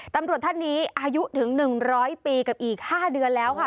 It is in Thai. ตำรวจท่านนี้อายุถึง๑๐๐ปีกับอีก๕เดือนแล้วค่ะ